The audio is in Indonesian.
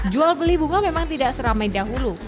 jual beli bunga memang tidak seramai dahulu